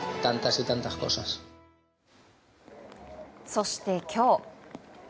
そして今日。